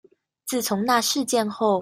自從那事件後